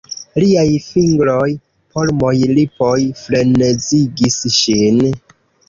Liaj fingroj, polmoj, lipoj frenezigis ŝin.